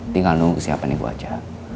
tinggal nunggu kesiapan ibu aja